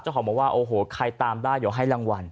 เจ้าของบอกว่าโอ้โหใครตามได้อยู่ให้รางวัล